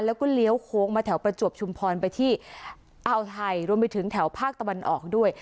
แล้วก็เลี้ยวโค้งมาแถวประจวบชุมพรไปที่อ่าวไทยรวมไปถึงแถวภาคตะวันออกด้วย